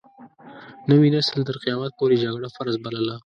نوي نسل تر قيامت پورې جګړه فرض بلله.